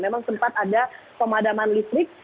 memang sempat ada pemadaman listrik